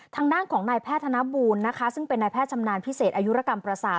ทางด้านของนายแพทย์ธนบูลนะคะซึ่งเป็นนายแพทย์ชำนาญพิเศษอายุรกรรมประสาท